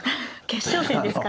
決勝戦ですからね。